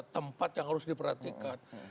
tempat yang harus diperhatikan